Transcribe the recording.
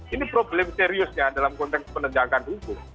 ini problem seriusnya dalam konteks penegakan hukum